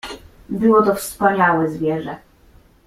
"Było to wspaniałe zwierzę."